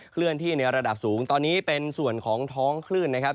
เคลื่อนที่ในระดับสูงตอนนี้เป็นส่วนของท้องคลื่นนะครับ